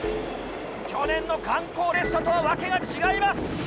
去年の観光列車とは訳が違います。